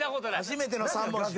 初めての３文字。